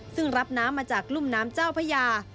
ซึ่งรับน้ำมาจากรุ่มน้ำเจ้าพญา